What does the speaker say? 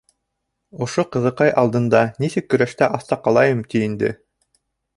Ошо ҡыҙыҡай алдында нисек көрәштә аҫта ҡалайым, ти, инде?!